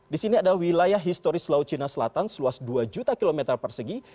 di sini ada wilayah historis laut cina selatan seluas dua juta kilometer persegi